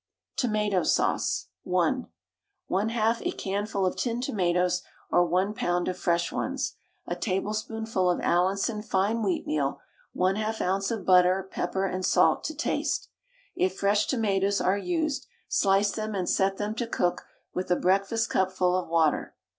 TOMATO SAUCE (1). 1/2 a canful of tinned tomatoes or 1 lb. of fresh ones, a tablespoonful of Allinson fine wheatmeal, 1/2 oz. of butter, pepper and salt to taste. If fresh tomatoes are used, slice them and set them to cook with a breakfastcupful of water.